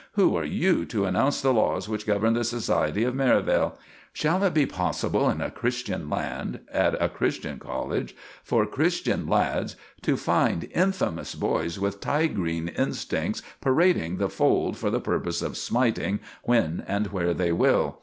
"Who are you to announce the laws which govern the society of Merivale? Shall it be possible in a Christian land, at a Christian college for Christian lads, to find infamous boys with tigrine instincts parading the fold for the purpose of smiting when and where they will?